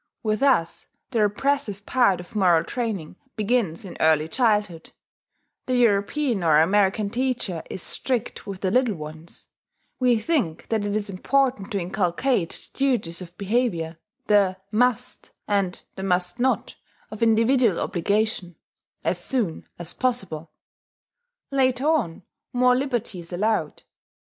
With us, the repressive part of moral training begins in early childhood the European or American teacher is strict with the little ones; we think that it is important to inculcate the duties of behaviour, the "must" and the "must not" of individual obligation, as soon as possible. Later on, more liberty is allowed.